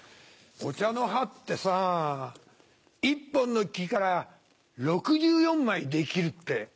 お茶の葉ってさ１本の木から６４枚できるって。